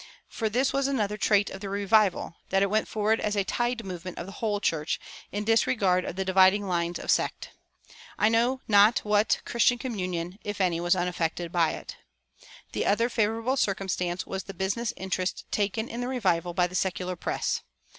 For this was another trait of the revival, that it went forward as a tide movement of the whole church, in disregard of the dividing lines of sect. I know not what Christian communion, if any, was unaffected by it. The other favorable circumstance was the business interest taken in the revival by the secular press.